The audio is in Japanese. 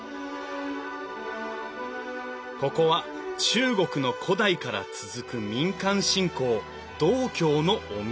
ここは中国の古代から続く民間信仰道教のお宮。